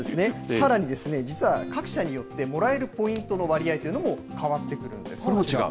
さらに、実は各社によってもらえるポイントの割合というのも変わってくるんです。